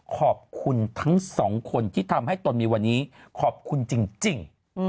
ขอบคุณทั้งสองคนที่ทำให้ตนมีวันนี้ขอบคุณจริง